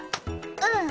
うん。